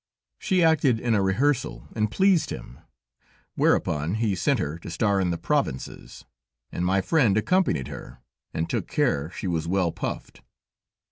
She acted in a rehearsal, and pleased him; whereupon he sent her to star in the provinces, and my friend accompanied her, and took care she was well puffed.